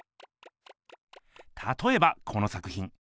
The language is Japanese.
たとえばこの作ひん。